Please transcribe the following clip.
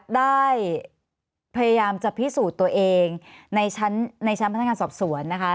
ได้พยายามจะพิสูจน์ตัวเองในชั้นในชั้นพัฒนาการสอบสวนนะคะ